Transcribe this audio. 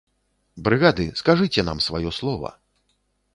Брыгады, скажыце нам сваё слова.